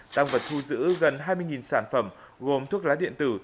tăng vật thu giữ gần hai mươi sản phẩm gồm thuốc lá điện tử